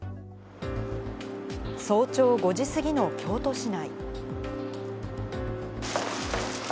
早朝５時過ぎの京都市内。